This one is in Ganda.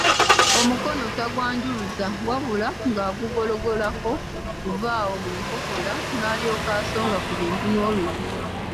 Omukono tagwanjuluza wabula ng'agugololako kuva awo mu nkokola n'alyoka asonga ku kintu n'olunwe.